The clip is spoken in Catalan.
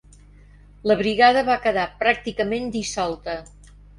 La Brigada va quedar pràcticament dissolta.